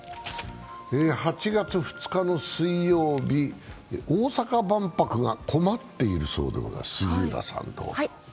８月２日の水曜日、大阪万博が困っているそうです。